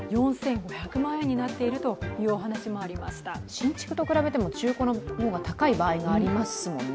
新築と比べても中古の方が高い場合がありますもんね。